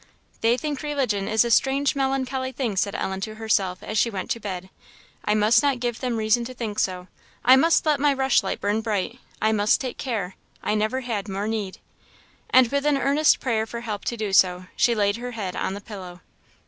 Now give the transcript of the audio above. "They think religion is a strange melancholy thing," said Ellen to herself as she went to bed; "I must not give them reason to think so I must let my rushlight burn bright I must take care I never had more need!" And with an earnest prayer for help to do so, she laid her head on the pillow.